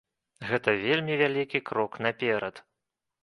Гэта вельмі вялікі крок наперад.